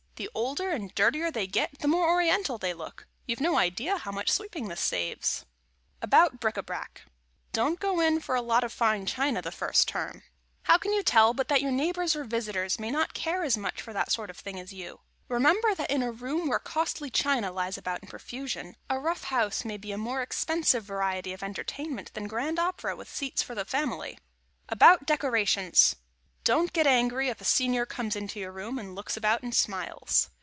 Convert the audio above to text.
The older and dirtier they get, the more Oriental they look. You've no idea how much sweeping this saves. [Sidenote: ABOUT BRIC A BRAC] Don't go in for a lot of fine china, the first term. How can you tell but that your neighbors or visitors may not care as much for that sort of thing as you? Remember, that in a room where costly china lies about in profusion, a "rough house" may be a more expensive variety of entertainment than Grand Opera with seats for the family. [Sidenote: ABOUT DECORATIONS] Don't get angry if a Senior comes into your room and looks about and smiles.